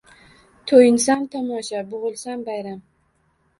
Toyinsam tomosha, boʼgʼilsam bayram